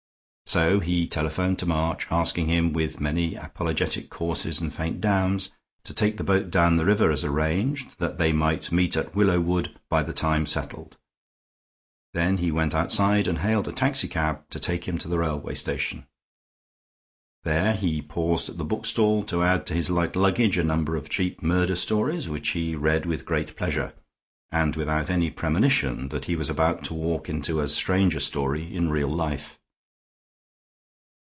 So he telephoned to March, asking him, with many apologetic curses and faint damns, to take the boat down the river as arranged, that they might meet at Willowood by the time settled; then he went outside and hailed a taxicab to take him to the railway station. There he paused at the bookstall to add to his light luggage a number of cheap murder stories, which he read with great pleasure, and without any premonition that he was about to walk into as strange a story in real life.